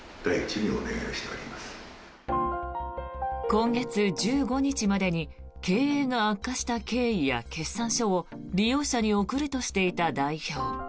今月１５日までに経営が悪化した経緯や決算書を利用者に送るとしていた代表。